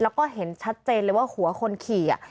แล้วก็เห็นชัดเจนเลยว่าหัวคนขี่